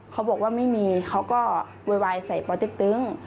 เขาบอกว่าไม่มีเขาก็เววายใส่ปลอดฤทธิ์ตึง